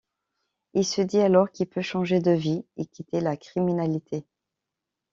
Il se dit alors qu'il peut changer de vie et quitter la criminalité.